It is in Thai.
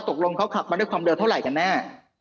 ตกลงเขาขับมาด้วยความเร็วเท่าไหร่กันแน่